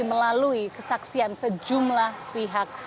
melalui kesaksian sejumlah pihak